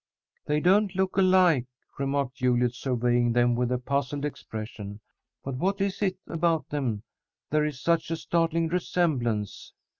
"They don't look alike," remarked Juliet, surveying them with a puzzled expression. "But what is it about them there is such a startling resemblance?"